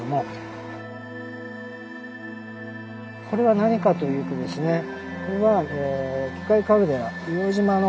これは何かというとですね